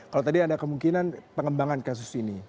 kalau tadi ada kemungkinan pengembangan kasus ini